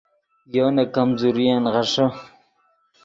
یو نے کمزورین غیݰے